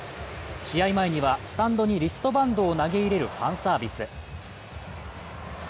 試合前には、スタンドにリストバンドを投げ入れるファンサービス。